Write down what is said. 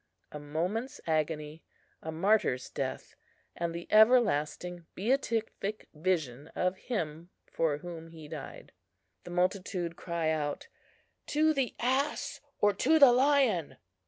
a moment's agony, a martyr's death, and the everlasting beatific vision of Him for whom he died. The multitude cry out, "To the ass or to the lion!"